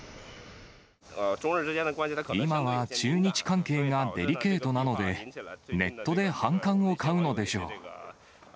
今は中日関係がデリケートなので、ネットで反感を買うのでしょう。